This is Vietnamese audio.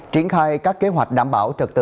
triển khai các kế hoạch đảm bảo trật tự